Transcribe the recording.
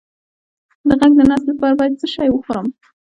د غږ د ناستې لپاره باید څه شی وخورم؟